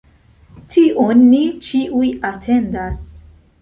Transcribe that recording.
Tion ni ĉiuj atendas.